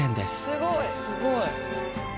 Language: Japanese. すごいすごい！